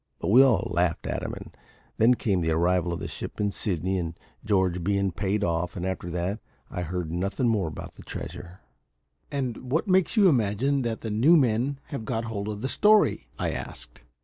But we all laughed at him; and then came the arrival of the ship in Sydney, and George bein' paid off, and after that I heard nothin' more about the treasure." "And what makes you imagine that the new men have got hold of the story?" I asked.